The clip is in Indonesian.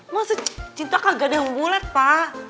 masa cinta kagak ada yang bulat pa